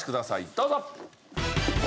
どうぞ！